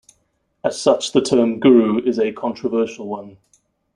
As such, the term "guru" is a controversial one.